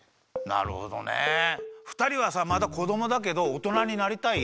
ふたりはさまだこどもだけどおとなになりたい？